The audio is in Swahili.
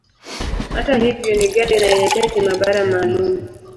Hata hivyo, ni ghali, na inahitaji maabara maalumu.